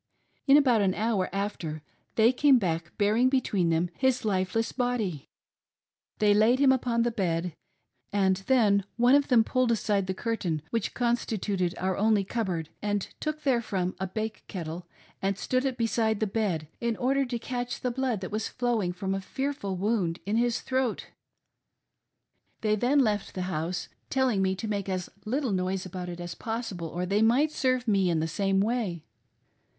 In about an hour after they eame back bearing between them his lifeless body. They laid him upon the bed, and then one of them pulled aside the curtain which constituted pur only cupboard, and took therefrom a bake kettle and stood it beside the bed, in order to catch the blood that was flowing from a fearful wound in his throat. They then left the house telliog me to make as little noise about it as possible or they might serve me in the same way.